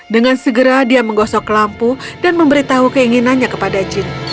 dengan segera dia menggosok lampu dan memberitahu keinginannya kepada jin